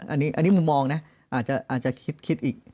อันนี้มุมมองนะอาจจะคิดอีก